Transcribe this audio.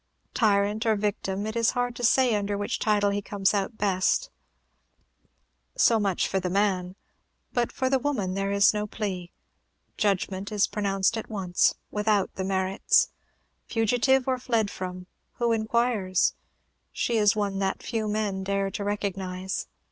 Tyrant or victim, it is hard to say under which title he comes out best, so much for the man; but for the woman there is no plea: judgment is pronounced at once, without the merits. Fugitive, or fled from, who inquires? she is one that few men dare to recognize.